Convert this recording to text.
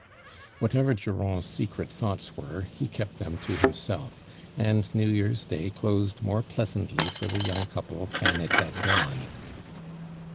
Whatever Purand's secret thoughts were, k« kept them to himself, and New Year's day •loeed more pleasantly for the young couple than it had dawned.